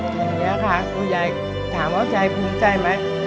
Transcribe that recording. อย่างนี้ค่ะคุณยายถามว่ายายภูมิใจไหม